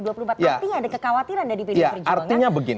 artinya ada kekhawatiran dari pdi perjuangan